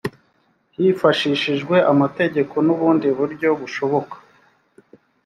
hifashishijwe amategeko n’ubundi buryo bushoboka